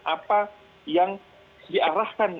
apa yang diarahkan